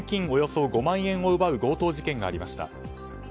およそ５万円を奪う強盗事件がありました。